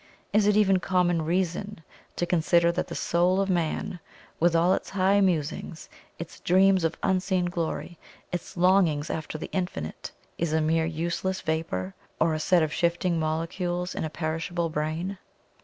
Is it even common reason to consider that the Soul of man, with all its high musings, its dreams of unseen glory, its longings after the Infinite, is a mere useless vapour, or a set of shifting molecules in a perishable brain?